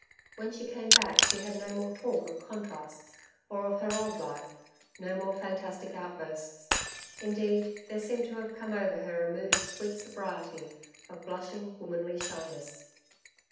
When she came back she had no more talk of contrasts or of her old life, no more fantastic outbursts. Indeed, there seemed to have come over her a mood of sweet sobriety, of blushing, womanly shyness.